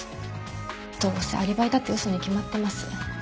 どうせアリバイだって嘘に決まってます。